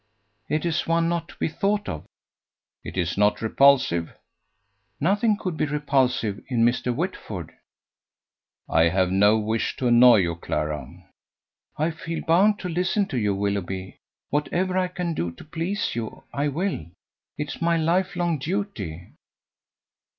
"It is one not to be thought of." "It is not repulsive?" "Nothing could be repulsive in Mr. Whitford." "I have no wish to annoy you, Clara." "I feel bound to listen to you, Willoughby. Whatever I can do to please you, I will. It is my life long duty."